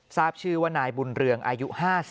ทราบชื่อว่านายบุญเรืองอายุ๕๓